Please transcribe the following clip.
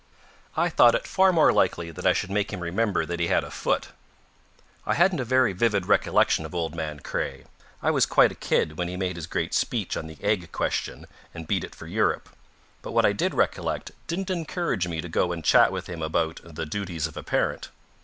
I thought it far more likely that I should make him remember that he had a foot. I hadn't a very vivid recollection of old man Craye. I was quite a kid when he made his great speech on the Egg Question and beat it for Europe but what I did recollect didn't encourage me to go and chat with him about the duties of a parent.